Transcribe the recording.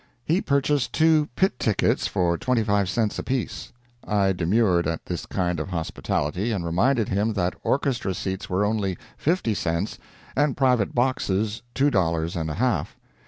He purchased two pit tickets for twenty five cents apiece; I demurred at this kind of hospitality, and reminded him that orchestra seats were only fifty cents, and private boxes two dollars and a half.